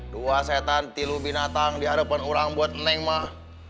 dua setan tisu binatang di hadapan orang buat neng mah